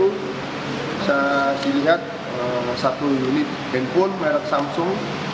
bisa dilihat satu unit handphone merek samsung